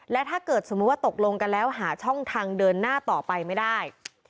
และถ้าเกิดสมมุติว่าตกลงกันแล้วหาช่องทางเดินหน้าต่อไปไม่ได้